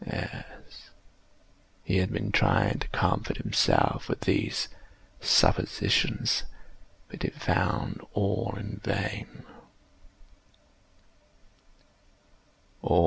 Yes, he had been trying to comfort himself with these suppositions: but he had found all in vain.